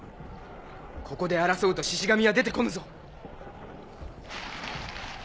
ここで争うとシシ神は出てこぬぞ。